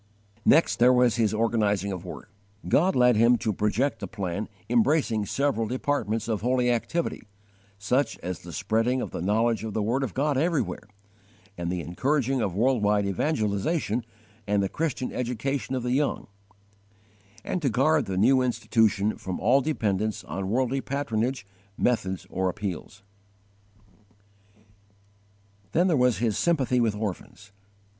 22. His organizing of work. God led him to project a plan embracing several departments of holy activity, such as the spreading of the knowledge of the word of God everywhere, and the encouraging of world wide evangelization and the Christian education of the young; and to guard the new Institution from all dependence on worldly patronage, methods, or appeals. 23. His _sympathy with orphans.